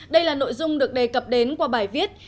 đây là nội dung được đề cập đến qua bài viết